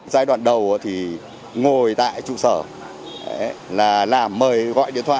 giai đoạn đầu thì ngồi tại trụ sở là làm mời gọi điện thoại